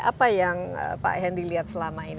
apa yang pak hendi lihat selama ini